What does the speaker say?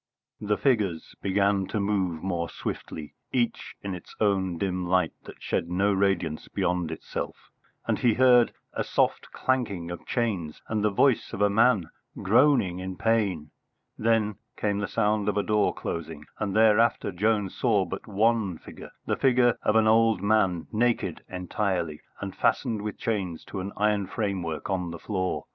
The figures began to move more swiftly, each in its own dim light that shed no radiance beyond itself, and he heard a soft clanking of chains and the voice of a man groaning in pain. Then came the sound of a door closing, and thereafter Jones saw but one figure, the figure of an old man, naked entirely, and fastened with chains to an iron framework on the floor.